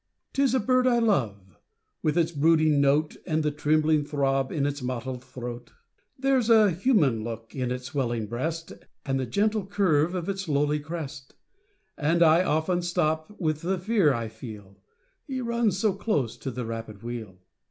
'Tis a bird I love, with its brooding note, And the trembling throb in its mottled throat ; There's a human look in its swellinor breast, And the gentle curve of its lowly crest ; And I often stop with the fear I feel — He runs so close to the rapid wheel.